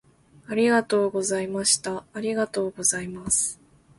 ありがとうございました。ありがとうございます。